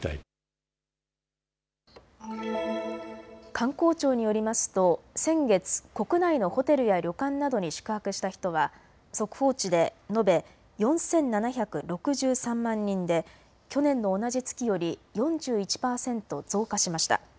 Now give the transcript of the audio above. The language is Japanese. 観光庁によりますと先月、国内のホテルや旅館などに宿泊した人は速報値で延べ４７６３万人で去年の同じ月より４１％増加しました。